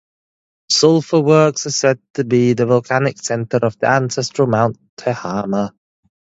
Sulphur Works is said to be the volcanic center of the ancestral Mount Tehama.